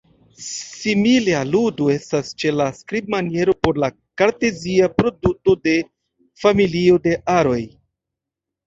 Simile aludo estas ĉe la skribmaniero por la kartezia produto de familio de aroj.